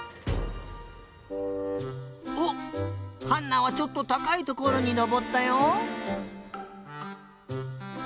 おっハンナはちょっとたかいところにのぼったよ。